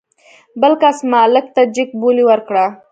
بل کس مالک ته جګ بولي ورکړه.